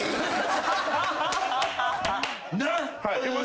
なっ！